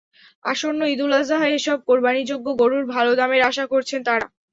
আসন্ন ঈদুল আজহায় এসব কোরবানিযোগ্য গরুর ভালো দামের আশা করছেন তাঁরা।